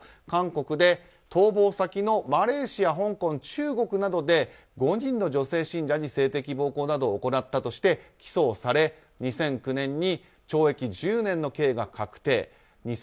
韓国で逃亡先のマレーシア香港、中国などで５人の女性信者に性的暴行などを行ったとして起訴をされ、２００９年に懲役１０年の刑が確定。